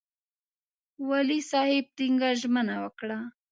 والي صاحب ټینګه ژمنه وکړه.